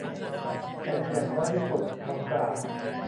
ไม่ใช่อย่างน้อยที่สุด. เขากล่าว